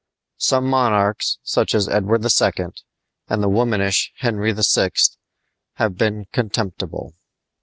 Some monarchs, such as Edward II. and the womanish Henry VI., have been contemptible.